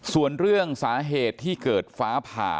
ส่วนเรื่องสาเหตุที่เกิดฟ้าผ่า